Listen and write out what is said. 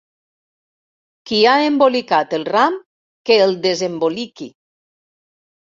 Qui ha embolicat el ram que el desemboliqui.